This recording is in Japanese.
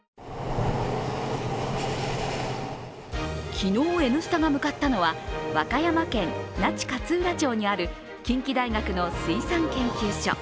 昨日、「Ｎスタ」が向かったのは和歌山県那智勝浦町にある近畿大学の水産研究所。